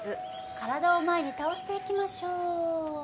体を前に倒していきましょう。